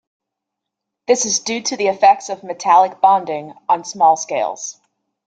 This is due to the effects of metallic bonding on small scales.